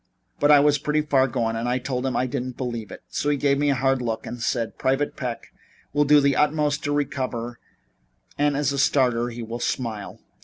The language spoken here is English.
But I was pretty far gone and I told him I didn't believe it, so he gave me a hard look and said: 'Private Peck will do his utmost to recover and as a starter he will smile.'